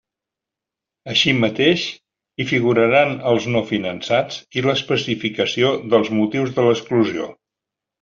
Així mateix, hi figuraran els no finançats i l'especificació dels motius de l'exclusió.